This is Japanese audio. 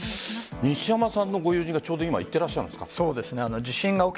西山さんのご友人がちょうど行っていらっしゃるんですか。